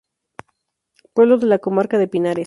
Pueblo de la Comarca de Pinares.